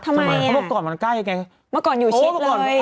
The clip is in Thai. ทำไมน่ะเพราะว่าก่อนมันใกล้อีกไงเขาก่อนอยู่ชิดเลย